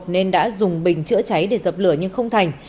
nên đã dùng bình chữa cháy để dập lửa nhưng không thành